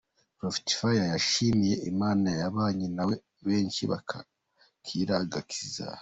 Prophet Fire yashimiye Imana yabanye nawe benshi bakakira agakiza.